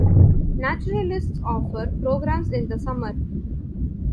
Naturalists offer programs in the summer.